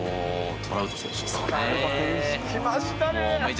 トラウト選手、きましたね。